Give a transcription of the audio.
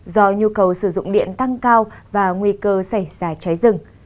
do nhu cầu sử dụng điện tăng cao và nguy cơ xảy ra cháy rừng